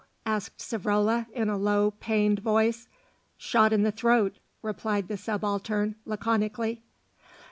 asked Savrola, in a low pained voice. "Shot in the throat," replied the Subaltern laconically.